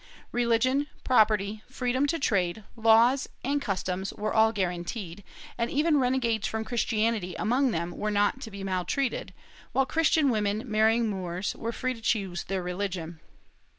Religion, property, freedom to trade, laws and customs were all guaranteed, and even renegades from Christianity among them were not to be maltreated, while Christian women marrying Moors were free to choose their religion.